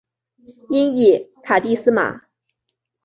音译卡蒂斯玛。